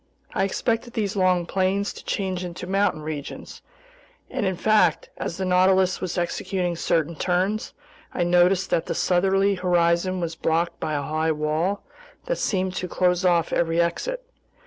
I expected these long plains to change into mountain regions, and in fact, as the Nautilus was executing certain turns, I noticed that the southerly horizon was blocked by a high wall that seemed to close off every exit.